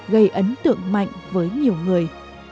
gây ấn tượng mạnh với nhiều người